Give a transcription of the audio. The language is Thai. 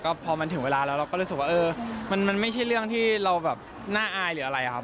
พอมันถึงเวลาแล้วเราก็รู้สึกว่าเออมันไม่ใช่เรื่องที่เราแบบน่าอายหรืออะไรครับ